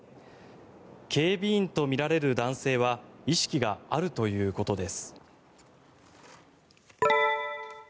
警備員とみられる男性は意識があるということです。